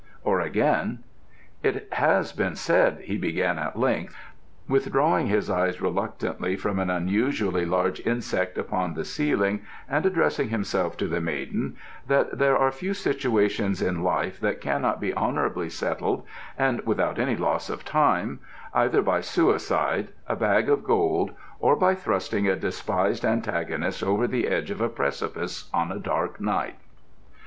ŌĆØ Or again: ŌĆ£It has been said, ŌĆØ he began at length, withdrawing his eyes reluctantly from an unusually large insect upon the ceiling and addressing himself to the maiden, ŌĆ£that there are few situations in life that cannot be honourably settled, and without any loss of time, either by suicide, a bag of gold, or by thrusting a despised antagonist over the edge of a precipice on a dark night.